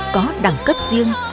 có đẳng cấp riêng